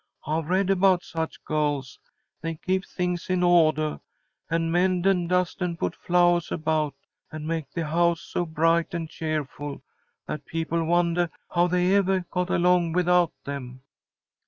I've read about such girls. They keep things in ordah, and mend and dust and put flowahs about, and make the house so bright and cheerful that people wondah how they evah got along without them.